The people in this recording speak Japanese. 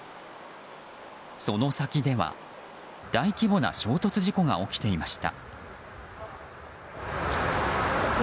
その先では、大規模な衝突事故が起きていました。